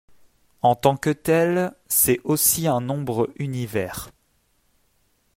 En tant que tel, c'est aussi un nombre univers.